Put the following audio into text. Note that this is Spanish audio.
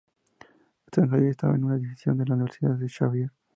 San Javier estaba en una división de la Universidad Xavier.